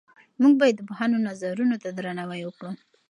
موږ باید د پوهانو نظرونو ته درناوی وکړو.